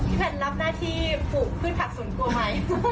พี่แพนรับหน้าที่ผูกพืชผักศูนย์กลัวไหม